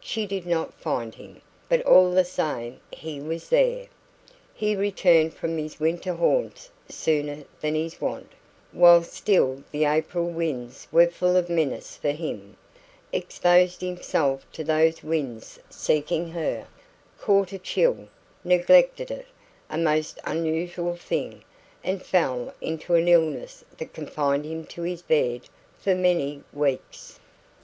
She did not find him, but all the same he was there. He returned from his winter haunts sooner than his wont, while still the April winds were full of menace for him, exposed himself to those winds seeking her, caught a chill, neglected it a most unusual thing and fell into an illness that confined him to his bed for many weeks.